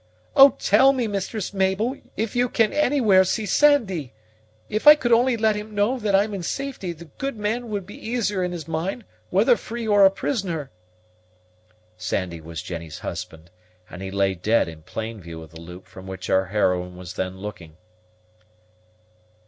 "Oh, tell me, Mistress Mabel, if you can anywhere see Sandy! If I could only let him know that I'm in safety, the guid man would be easier in his mind, whether free or a prisoner." Sandy was Jennie's husband, and he lay dead in plain view of the loop from which our heroine was then looking.